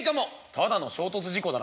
「ただの衝突事故だろ」。